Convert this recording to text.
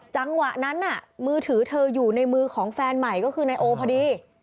จังหวะนั้นน่ะมือถือเธออยู่ในมือของแฟนใหม่ก็คือนายโอพอดี